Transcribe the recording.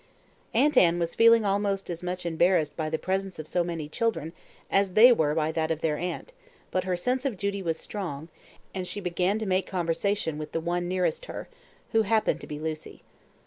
Aunt Anne was feeling almost as much embarrassed by the presence of so many children as they were by that of their aunt, but her sense of duty was strong, and she began to make conversation with the one nearest her who happened to be Lucy.